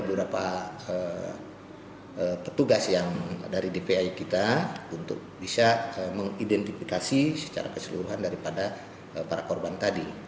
beberapa petugas yang dari dpi kita untuk bisa mengidentifikasi secara keseluruhan daripada para korban tadi